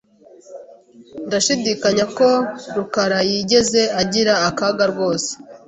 Ndashidikanya ko rukarayigeze agira akaga rwose.